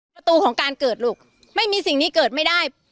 ประตูของการเกิดลูกไม่มีสิ่งนี้เกิดไม่ได้